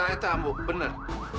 itu ambo benar